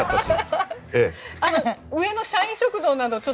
上の社員食堂などは？